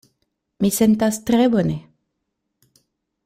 Mi sentas tre bone.